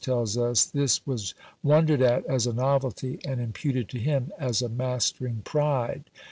tells us this "was wondered at as a novelty, and imputed to him as a mastering pride."